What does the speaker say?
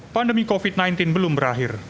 pandemi covid sembilan belas belum berakhir